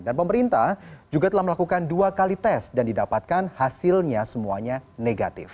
pemerintah juga telah melakukan dua kali tes dan didapatkan hasilnya semuanya negatif